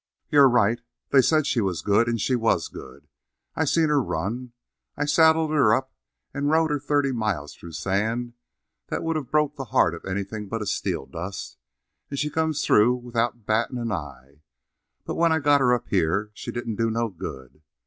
"You're right. They said she was good, and she was good! I seen her run; I saddled her up and rode her thirty miles through sand that would of broke the heart of anything but a Steeldust, and she come through without battin' an eye. But when I got her up here she didn't do no good.